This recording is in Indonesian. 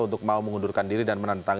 untuk mau mengundurkan diri dan menentang